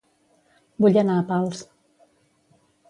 Vull anar a Pals